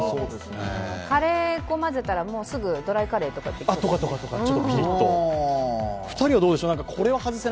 カレー粉をまぜたら、すぐドライカレーとかできるのかな。